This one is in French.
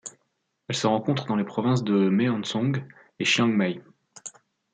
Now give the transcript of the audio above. Elle se rencontre dans les provinces de Mae Hong Son et de Chiang Mai.